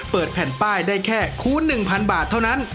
เปิดแผ่นป้ายได้แค่คูณ๑๐๐บาทเท่านั้น